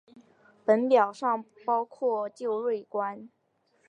本表尚不包括旧税关。